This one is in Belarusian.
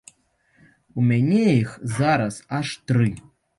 У мяне іх зараз аж тры.